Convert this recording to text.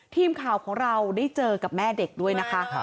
ทีมข่าวของเราได้เจอกับแม่เด็กด้วยนะคะ